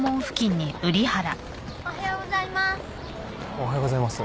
おはようございます。